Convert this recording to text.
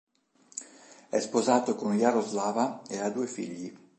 È sposato con Jaroslava e ha due figli.